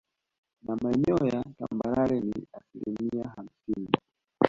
Na maeneo ya tambarare ni asilimia hamsini